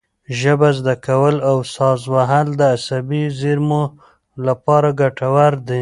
ژبه زده کول او ساز وهل د عصبي زېرمو لپاره ګټور دي.